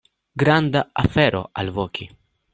Granda afero alvoki!